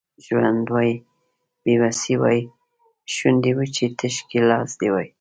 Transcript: ژوند وای بې وسي وای شونډې وچې تش ګیلاس دي وای